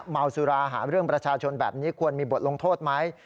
เมาสุราหาเรื่องประชาชนแบบนี้ควรมีบทลงโทษไหม